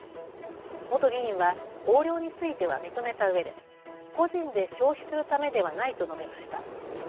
元議員は横領については認めたうえで個人で消費するためではないと述べました。